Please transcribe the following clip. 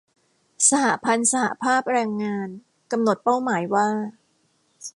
สหพันธ์สหภาพแรงงาน กำหนดเป้าหมายว่า